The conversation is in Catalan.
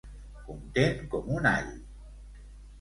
Content com un all.